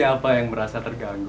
siapa yang merasa terganggu